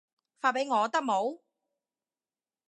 發畀我得冇